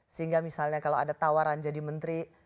sehingga misalnya kalau ada tawaran jadi menteri